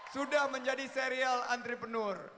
sudah menjadi serial antrepreneur